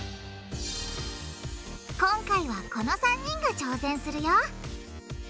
今回はこの３人が挑戦するよ